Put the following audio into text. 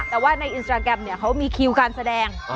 แต่ว่าในนี้เขามีคิวการแสดง